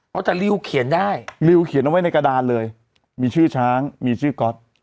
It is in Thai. เอาแต่ริวเขียนได้ริวเขียนเอาไว้ในกระดานเลยมีชื่อช้างมีชื่อก๊อต